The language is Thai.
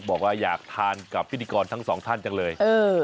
บอกว่าอยากทานกับพิธีกรทั้งสองท่านจังเลย